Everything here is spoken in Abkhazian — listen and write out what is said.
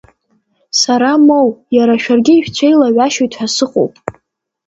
Сара моу, иара шәаргьы ишәцәеилаҩашьоит ҳәа сыҟоуп.